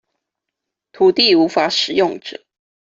土地無法使用者